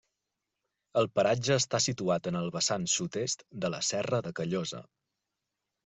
El paratge està situat en el vessant sud-est de la Serra de Callosa.